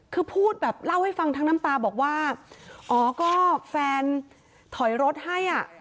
คือพูดแบบเล่าให้ฟังทั้งน้ำตาบอกว่าอ๋อก็แฟนถอยรถให้อ่ะ